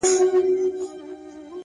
په شاهدۍ به نور هیڅکله آسمان و نه نیسم،